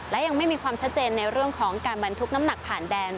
และยังไม่มีความชัดเจนในเรื่องของการบรรทุกน้ำหนักผ่านแดน